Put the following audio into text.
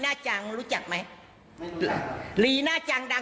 ถ้าไม่ขอโทษกูไม่รับของ